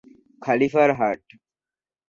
খলিফার হাট।